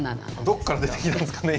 どっから出てきたんですかね